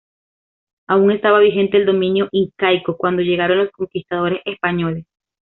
Aún estaba vigente el dominio incaico, cuando llegaron los conquistadores españoles.